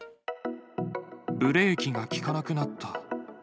ブレーキが利かなくなった。